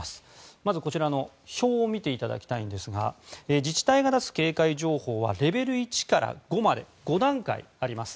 まず、表を見ていただくと自治体が出す警戒情報はレベル１から５まで５段階あります。